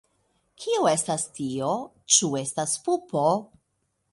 Kio estas tio? Ĉu estas pupo?